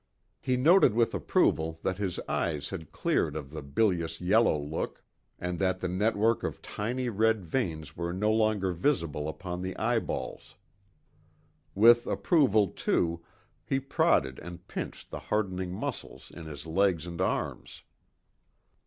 He noted with approval that his eyes had cleared of the bilious yellow look, and that the network of tiny red veins were no longer visible upon the eyeballs. With approval, too, he prodded and pinched the hardening muscles in his legs and arms.